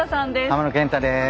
浜野謙太です。